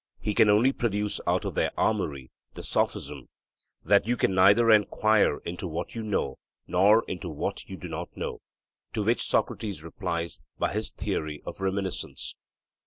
He can only produce out of their armoury the sophism, 'that you can neither enquire into what you know nor into what you do not know;' to which Socrates replies by his theory of reminiscence.